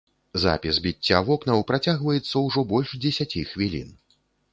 Запіс біцця вокнаў працягваецца ўжо больш дзесяці хвілін.